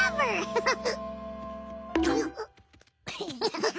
フフフフ。